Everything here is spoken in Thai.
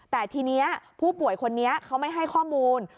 แต่ทีนี้ผู้ป่วยคนนี้เขาไม่ให้ข้อมูล